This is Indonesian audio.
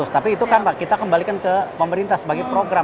tapi itu kan kita kembalikan ke pemerintah sebagai program